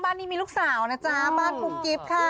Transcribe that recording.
บ้านนี้มีลูกสาวนะจ๊ะบ้านกุ๊บกิ๊บค่ะ